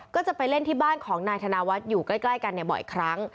ก็จะไปเล่นที่บ้านของนายธนวัฒน์อยู่ใกล้กันบ่อยครั้ง